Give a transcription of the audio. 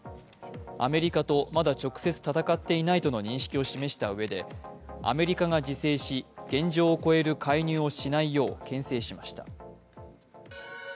アメリカとまだ直接戦っていないとの認識を示したうえでアメリカが自制し、現状を超える介入をしないようけん制しました。